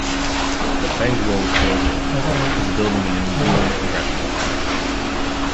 The Fengwo Building is a building in the New Zealand Congressional Park.